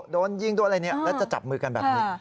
โดนยิงโดนอะไรเนี่ยแล้วจะจับมือกันแบบนี้